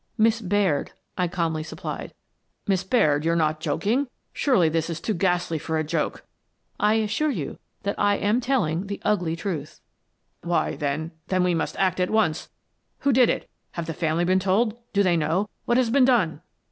" Miss Baird," I calmly supplied. "Miss Baird, you're not joking? Surely, this is too ghastly for a joke! "" I assure you that I am telling the ugly truth." "Why, then — then we must act at once! — Who did it? — Have the family been told? — Do they know ?— What has been done